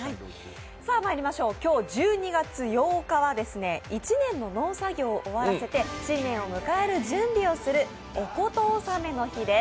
今日１２月８日は１年の農作業を終わらせて新年を迎える準備をする御事納めの日です。